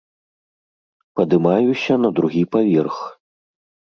Падымаюся на другі паверх.